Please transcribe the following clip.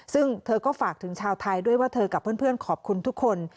ซึ่งเธอก็ฝากถึงชาวไทยด้วยว่าเธอกับเพื่อนขอบคุณทุกคน